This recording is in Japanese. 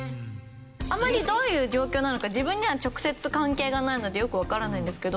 あまりどういう状況なのか自分には直接関係がないのでよくわからないんですけど。